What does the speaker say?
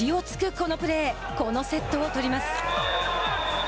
このセットを取ります。